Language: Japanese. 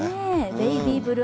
ベイビーブルー